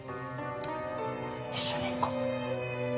一緒に行こう。